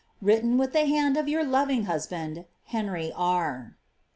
Written with tlio hand of your loving husband, HKyBT R.